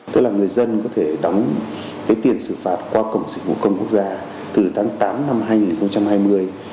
tức là người dân có thể đóng cái tiền xử phạt qua cổng dịch vụ công quốc gia từ tháng tám năm hai nghìn hai mươi